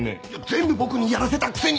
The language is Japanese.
全部僕にやらせたくせに。